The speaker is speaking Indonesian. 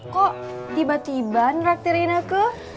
kok tiba tiba ngeraktirin aku